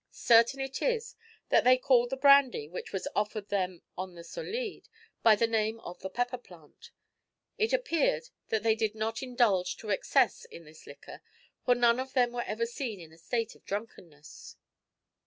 Certain it is that they called the brandy, which was offered them on the Solide, by the name of the pepper plant. It appeared that they did not indulge to excess in this liquor, for none of them were ever seen in a state of drunkenness.